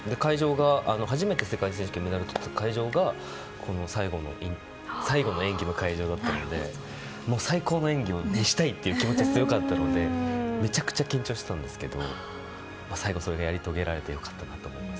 初めて世界選手権でメダルをとった会場が最後の演技の会場だったのでもう最高の演技をしたいという気持ちが強かったのでめちゃくちゃ緊張してたんですが最後やり遂げられて良かったと思います。